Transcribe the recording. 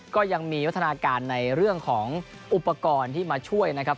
ก็ยังมีวัฒนาการในเรื่องของอุปกรณ์ที่มาช่วยนะครับ